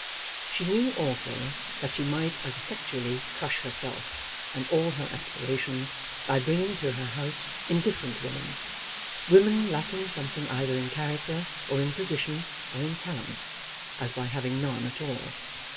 She knew also that she might as effectually crush herself and all her aspirations by bringing to her house indifferent women, women lacking something either in character, or in position, or in talent, as by having none at all.